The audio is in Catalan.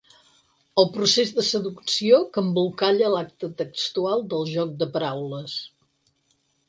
El procés de seducció que embolcalla l'acte textual del joc de paraules.